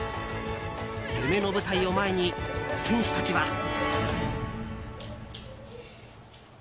夢の舞台を前に、選手たちは。